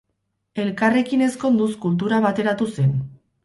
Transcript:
Elkarrekin ezkonduz, kultura bateratu zen.